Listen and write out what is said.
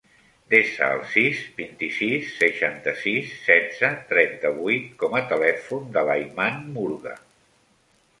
Desa el sis, vint-i-sis, seixanta-sis, setze, trenta-vuit com a telèfon de l'Ayman Murga.